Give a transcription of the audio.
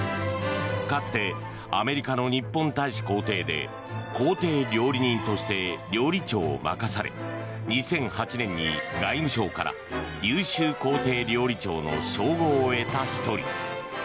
かつてアメリカの日本大使公邸で公邸料理人として料理長を任され２００８年に外務省から優秀公邸料理長の称号を得た１人。